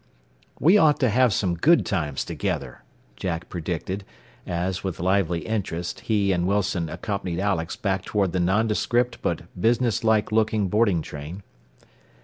"We ought to have some good times together," Jack predicted, as, with lively interest, he and Wilson accompanied Alex back toward the nondescript but businesslike looking boarding train.